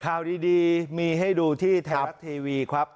ข่าวดีมีให้ดูที่ไทยรัฐทีวีครับ